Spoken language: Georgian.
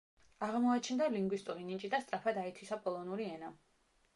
აღმოაჩნდა ლინგვისტური ნიჭი და სწრაფად აითვისა პოლონური ენა.